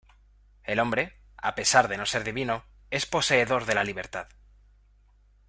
El Hombre, a pesar de no ser divino, es poseedor de la libertad.